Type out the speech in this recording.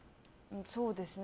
そうですね。